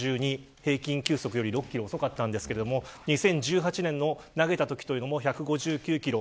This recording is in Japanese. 平均球速より６キロ遅かったんですが２０１８年の投げたときも１５９キロ。